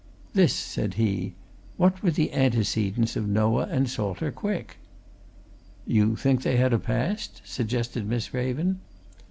"This," said he. "What were the antecedents of Noah and Salter Quick?" "You think they had a past?" suggested Miss Raven.